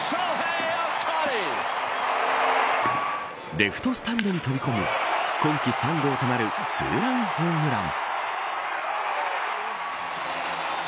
レフトスタンドに飛び込む今季３号となるツーランホームラン。